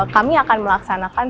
kami akan melaksanakan